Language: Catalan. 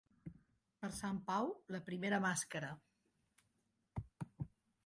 Per Sant Pau, la primera màscara.